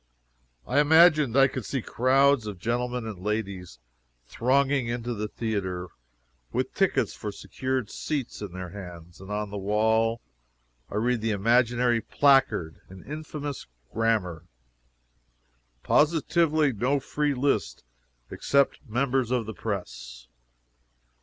I imagined I could see crowds of gentlemen and ladies thronging into the theatre, with tickets for secured seats in their hands, and on the wall, I read the imaginary placard, in infamous grammar, "POSITIVELY NO FREE LIST, EXCEPT MEMBERS OF THE PRESS!"